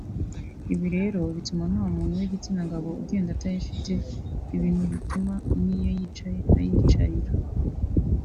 Ibi rero bituma nta muntu w’igitsina gabo ugenda atayifite ibintu bituma n’iyo yicaye ayicarira